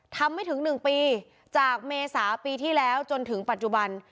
ไม่ถึง๑ปีจากเมษาปีที่แล้วจนถึงปัจจุบัน